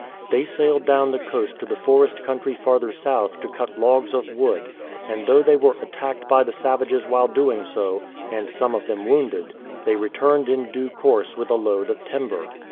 They sailed down the coast to the forest country farther south to cut logs of wood, and though they were attacked by the savages while doing so, and some of them wounded, they returned in due course with a load of timber.